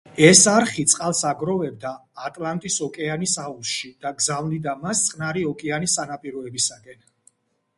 ეს არხი წყალს აგროვებდა ატლანტის ოკეანის აუზში და გზავნიდა მას წყნარი ოკეანის სანაპიროებისაკენ.